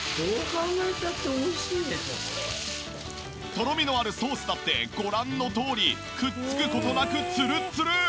とろみのあるソースだってご覧のとおりくっつく事なくツルッツルン！